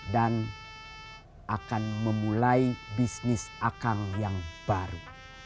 dan akan memulai bisnis akang yang baru